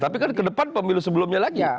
tapi kan ke depan pemilu sebelumnya lagi